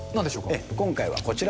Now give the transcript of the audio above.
今回はこちら。